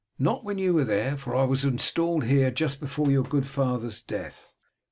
Not when you were there, for I was installed here just before your good father's death."